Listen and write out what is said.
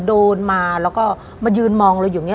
เดินมาแล้วก็มายืนมองเราอยู่อย่างนี้